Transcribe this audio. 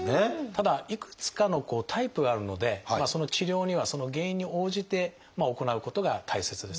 ただいくつかのタイプがあるのでその治療にはその原因に応じて行うことが大切です。